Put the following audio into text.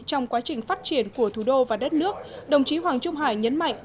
trong quá trình phát triển của thủ đô và đất nước đồng chí hoàng trung hải nhấn mạnh